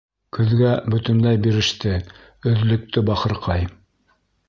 Көҙгә бөтөнләй биреште, өҙлөктө, бахырҡай.